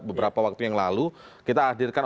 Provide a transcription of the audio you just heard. beberapa waktu yang lalu kita hadirkan